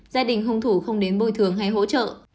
gia đình hung thủ không đến bồi thường hay hỗ trợ